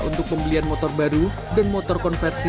untuk pembelian motor baru dan motor konversi